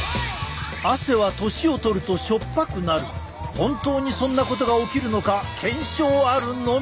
本当にそんなことが起きるのか検証あるのみ！